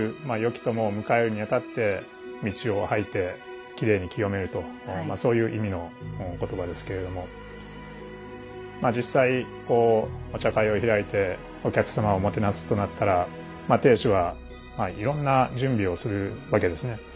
まあ良き友を迎えるにあたって径を掃いてきれいに清めるとまあそういう意味の言葉ですけれどもまあ実際こうお茶会を開いてお客様をもてなすとなったらまあ亭主はいろんな準備をするわけですね。